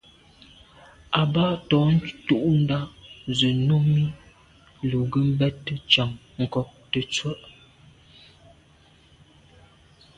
Àbâ tɔ̌ tûɁndá zə̄ Númí lù ngə́ bɛ́tə́ càŋ ŋkɔ̀k tə̀tswə́.